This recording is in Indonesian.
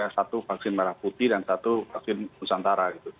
satu vaksin merah putih dan satu vaksin nusantara